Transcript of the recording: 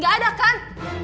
gak ada kan